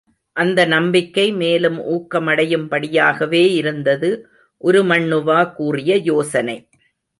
அந்த நம்பிக்கை மேலும் ஊக்கமடையும் படியாகவே இருந்தது, உருமண்ணுவா கூறிய யோசனை.